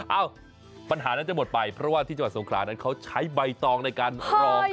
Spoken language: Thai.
เอ้าปัญหานั้นจะหมดไปเพราะว่าที่จังหวัดสงขลานั้นเขาใช้ใบตองในการครอง